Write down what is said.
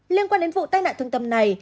liên quan đến vụ tai nạn thương tâm này